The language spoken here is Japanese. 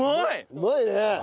うまいね。